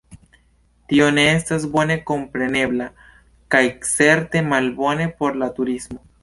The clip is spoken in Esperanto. Tio ne estas bone komprenebla kaj certe malbone por la turismo.